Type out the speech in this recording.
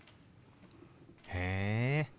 へえ。